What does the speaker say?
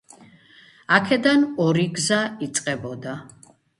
აქედან ორი გზა იწყებოდა.